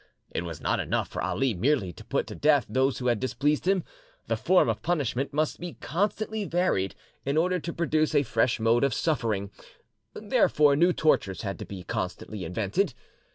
It was not enough for Ali merely to put to death those who displeased him, the form of punishment must be constantly varied in order to produce a fresh mode of suffering, therefore new tortures had to be constantly invented.